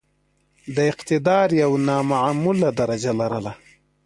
د اقتدار یو نامعموله درجه لرله.